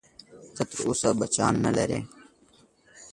ته تر اوسه بچیان نه لرې؟